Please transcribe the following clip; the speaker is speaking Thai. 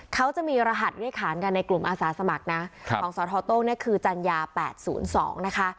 เขาจะมีรหัสได้ขานกันในกลุ่มอาสาสมัครนะครับของสวท้อโต้งเนี้ยคือจันยา๘๐๒นะคะ